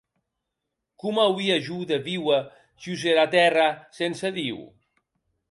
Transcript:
Com auia jo de víuer jos era tèrra sense Diu?